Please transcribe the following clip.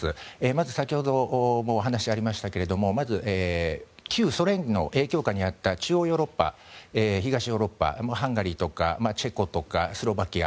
まず先ほどお話ありましたがまず旧ソ連の影響下にあった中央ヨーロッパ、東ヨーロッパハンガリーとかチェコとかスロバキア。